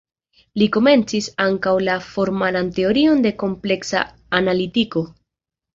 Li komencis ankaŭ la formalan teorion de kompleksa analitiko.